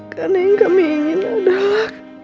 karena yang kami ingin adalah